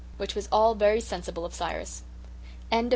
Which was all very sensible of Cyrus. CHAPTER XV.